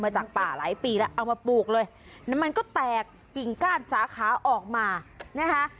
จากป่าหลายปีแล้วเอามาปลูกเลยแล้วมันก็แตกกิ่งก้านสาขาออกมานะคะ